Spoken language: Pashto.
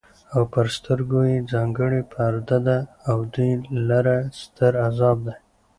او پر سترگو ئې ځانگړې پرده ده او دوى لره ستر عذاب دی